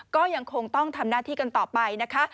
ก็ยังคงต้องทำหน้าที่กันต่อไปนะคะ